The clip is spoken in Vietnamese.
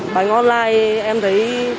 bạn online em thì